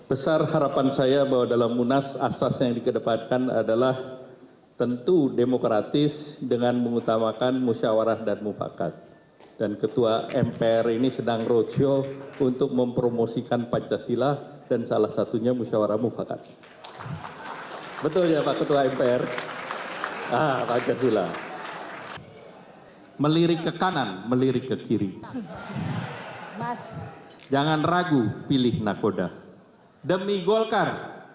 erlangga menyindir sejumlah kunjungan ke partai politik yang dilakukan di acara pembukaan rapimnas partai golkar